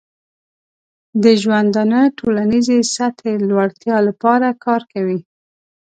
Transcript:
د ژوندانه ټولنیزې سطحې لوړتیا لپاره کار کوي.